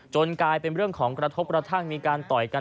กลายเป็นเรื่องของกระทบกระทั่งมีการต่อยกัน